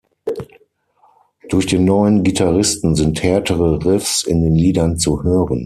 Durch den neuen Gitarristen sind härtere Riffs in den Liedern zu hören.